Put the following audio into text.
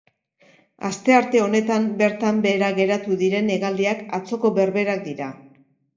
Astearte honetan bertan behera geratu diren hegaldiak atzoko berberak dira.